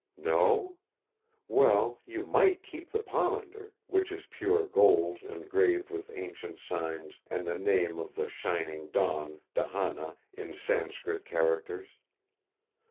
"No? Well, you might keep the pomander, which is pure gold engraved with ancient signs and the name of the Shining Dawn, Dahana, in Sanskrit characters.